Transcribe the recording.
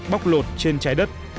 bóc lột trên trái đất